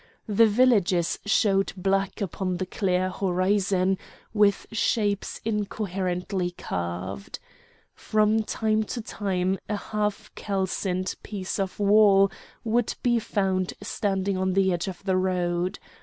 The villages showed black upon the clear horizon, with shapes incoherently carved. From time to time a half calcined piece of wall would be found standing on the edge of the road.